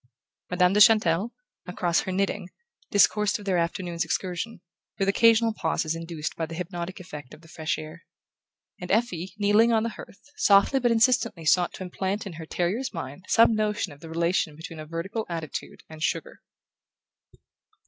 Madame de Chantelle, across her knitting, discoursed of their afternoon's excursion, with occasional pauses induced by the hypnotic effect of the fresh air; and Effie, kneeling, on the hearth, softly but insistently sought to implant in her terrier's mind some notion of the relation between a vertical attitude and sugar.